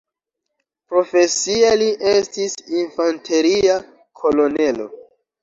Profesie li estis infanteria kolonelo.